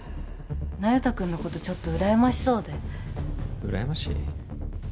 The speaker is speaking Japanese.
那由他君のことちょっとうらやましそうでうらやましい？